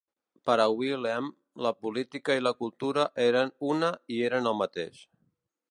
Per a Wilhelm, la política i la cultura eren una i eren el mateix.